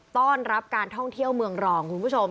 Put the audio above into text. ต้อนรับการท่องเที่ยวเมืองรองคุณผู้ชม